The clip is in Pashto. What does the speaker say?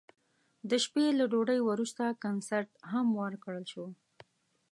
د شپې له ډوډۍ وروسته کنسرت هم ورکړل شو.